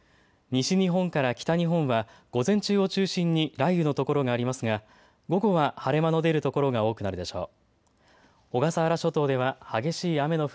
西日本から北日本は午前中を中心に雷雨の所がありますが午後は晴れ間の出る所が多くなるでしょう。